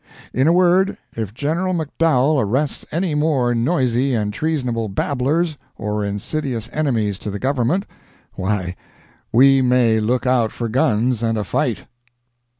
In a word, if General McDowell arrests any more noisy and treasonable babblers, or insidious enemies to the Government, why we may look out for guns and a fight.